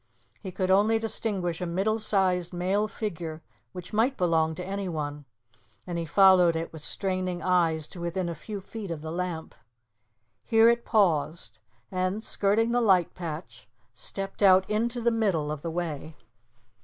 He could only distinguish a middle sized male figure which might belong to anyone, and he followed it with straining eyes to within a few feet of the lamp. Here it paused, and, skirting the light patch, stepped out into the middle of the way.